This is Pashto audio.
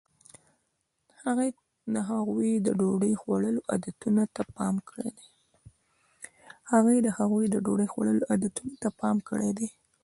هغې د هغوی د ډوډۍ خوړلو عادتونو ته پام کړی دی.